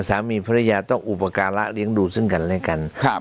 สามีภรรยาต้องอุปการะเลี้ยงดูซึ่งกันและกันครับ